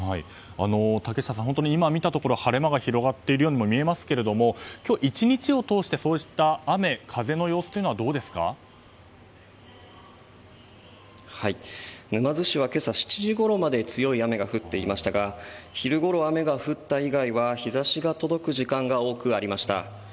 竹下さん、今見たところ晴れ間が広がっているように見えるんですが今日１日を通してそうした雨、風の様子は沼津市は今朝７時ごろまで強い雨が降っていましたが昼ごろ雨が降った以外は日差しが届く時間が多くありました。